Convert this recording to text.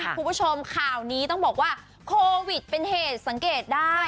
คุณผู้ชมข่าวนี้ต้องบอกว่าโควิดเป็นเหตุสังเกตได้